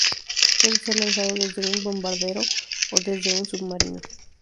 Puede ser lanzado desde un bombardero o desde un submarino.